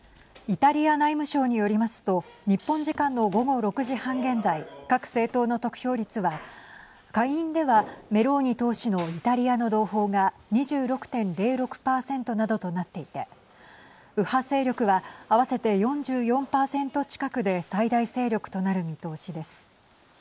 イタリア内務省によりますと日本時間の午後６時半現在各政党の得票率は下院ではメローニ党首のイタリアの同胞が２６．０６％などとなっていて右派勢力は合わせて４４％近くで最大勢力となる見通しです。